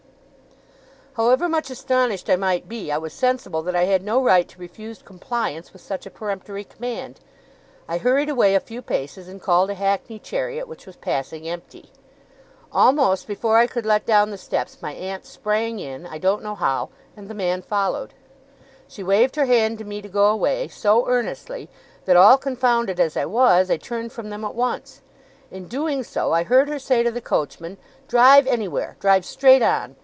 However much astonished I might be, I was sensible that I had no right to refuse compliance with such a peremptory command. I hurried away a few paces, and called a hackney chariot which was passing empty. Almost before I could let down the steps, my aunt sprang in, I don't know how, and the man followed. She waved her hand to me to go away, so earnestly, that, all confounded as I was, I turned from them at once. In doing so, I heard her say to the coachman, 'Drive anywhere! Drive straight on!